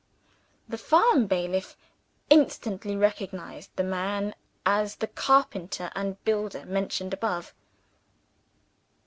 The farm bailiff instantly recognized the man as the carpenter and builder mentioned above.